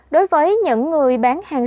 đối với những người bán hàng